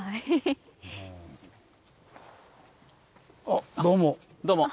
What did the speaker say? あっどうも。